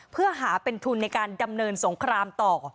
เพื่อหาเป็นทุนในการดำเนินสงครามต่อ